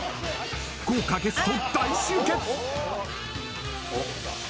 豪華ゲスト大集結。